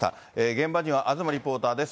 現場には東リポーターです。